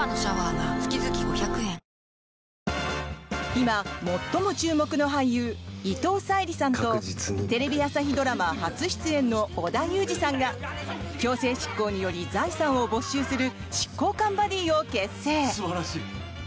今最も注目の俳優伊藤沙莉さんとテレビ朝日ドラマ初出演の織田裕二さんが強制執行により財産を没収する執行官バディを結成！